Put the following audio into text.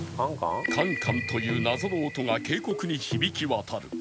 カンカンという謎の音が渓谷に響き渡る